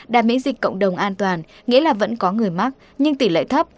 đã miễn dịch cộng đồng an toàn nghĩa là vẫn có người mắc nhưng tỷ lệ thấp